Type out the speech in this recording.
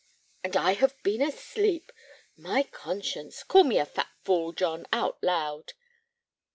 "And I have been asleep! My conscience! Call me a fat fool, John, out loud!"